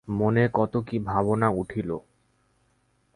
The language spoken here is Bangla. মনে কত কী ভাবনা উঠিল।